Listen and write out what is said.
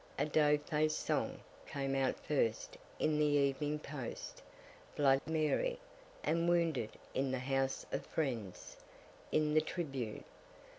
A Dough Face Song came out first in the "Evening Post" Blood Money, and Wounded in the House of Friends, in the "Tribune."